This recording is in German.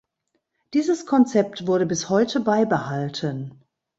Dieses Konzept wurde bis heute beibehalten.